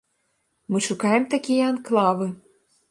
Мы шукаем такія анклавы.